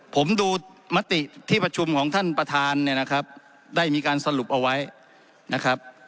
ผมดูมติที่ประชุมของท่านประธานเนี่ยนะครับได้มีการสรุปเอาไว้นะครับ